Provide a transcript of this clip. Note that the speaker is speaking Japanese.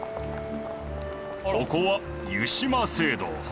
ここは湯島聖堂。